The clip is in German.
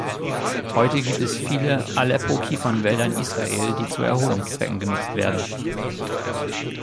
Heute gibt es viele Aleppokiefernwälder in Israel, die zu Erholungszwecken genutzt werden.